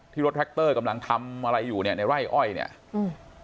รถแท็กเตอร์กำลังทำอะไรอยู่เนี้ยในไร่อ้อยเนี้ยอืม